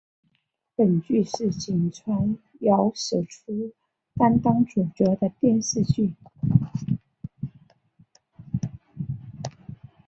本剧是井川遥首出担当主角的电视剧。